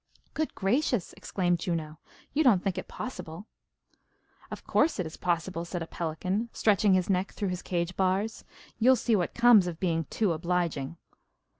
"Good gracious!" exclaimed Juno. "You don't think it possible?" "Of course it is possible," said a pelican, stretching his neck through his cage bars. "You'll see what comes of being too obliging."